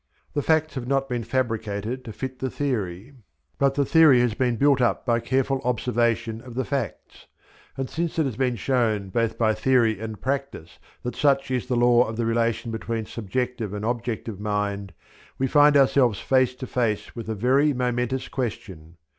The facts have not been fabricated to fit the theory, but the theory has been built up by careful observation of the facts; and since it has been shown both by theory and practice that such is the law of the relation between subjective and objective mind, we find ourselves face to face with a very momentous question.